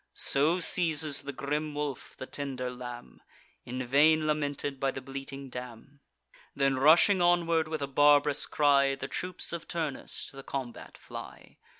So seizes the grim wolf the tender lamb, In vain lamented by the bleating dam. Then rushing onward with a barb'rous cry, The troops of Turnus to the combat fly.